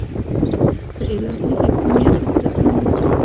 د الهي حاکمیت تجسم دی.